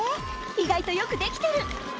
意外とよく出来てる。